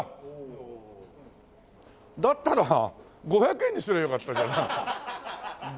だったら５００円にすりゃよかったじゃん。